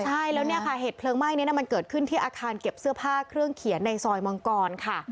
ใช่แล้วเนี่ยค่ะเหตุเพลิงไหม้นี้มันเกิดขึ้นที่อาคารเก็บเสื้อผ้าเครื่องเขียนในซอยมังกรค่ะ